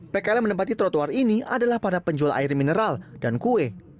pkl yang menempati trotoar ini adalah para penjual air mineral dan kue